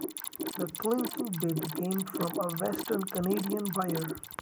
The clinching bid came from a western Canadian buyer.